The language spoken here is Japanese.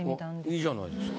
いいじゃないですか。